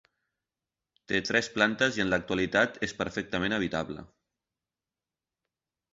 Té tres plantes i en l'actualitat és perfectament habitable.